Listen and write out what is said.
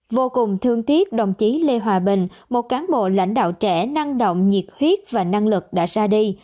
vô cùng thương tiếc đồng chí lê hòa bình một cán bộ lãnh đạo trẻ năng động nhiệt huyết và năng lực đã ra đi